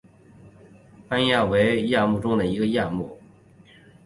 攀鲈亚目为辐鳍鱼纲攀鲈目的其中一个亚目。